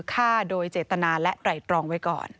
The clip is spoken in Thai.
ฆ่าโดยเจตนาและไตรตรองไว้ก่อน